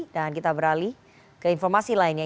kita beralih ke informasi lainnya